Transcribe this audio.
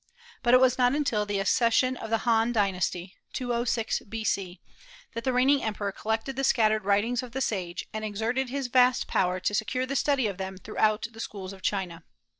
But it was not until the accession of the Han dynasty, 206 B.C., that the reigning emperor collected the scattered writings of the sage, and exerted his vast power to secure the study of them throughout the schools of China.